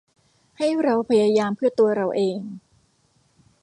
ให้เราพยายามเพื่อตัวเราเอง